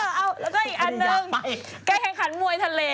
เอาแล้วก็อีกอันหนึ่งการแข่งขันมวยทะเล